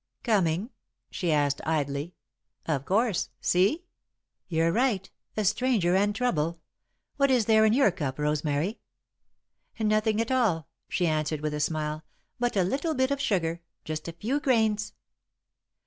"Coming?" she asked, idly. "Of course. See?" "You're right a stranger and trouble. What is there in your cup, Rosemary?" "Nothing at all," she answered, with a smile, "but a little bit of sugar just a few grains."